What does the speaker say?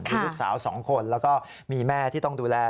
มีลูกสาว๒คนแล้วก็มีแม่ที่ต้องดูแล